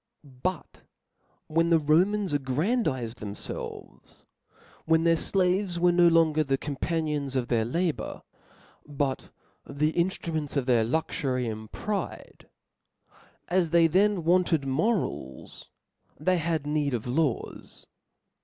But when the Romans aggrandized themfelves ; when their flaves were no longer the companions of their labour, but ^he inftruments of their luxury and pride ; as they thea» wanted morals, they had need of laws.